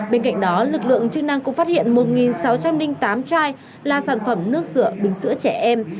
bên cạnh đó lực lượng chức năng cũng phát hiện một sáu trăm linh tám chai là sản phẩm nước rửa bình sữa trẻ em